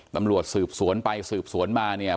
ตำรวจสืบสวนไปสืบสวนมาเนี่ย